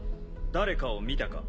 誰かを見たか？